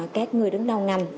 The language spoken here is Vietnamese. các người đứng đầu ngành